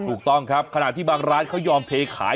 ถูกต้องครับขณะที่บางร้านเขายอมเทขาย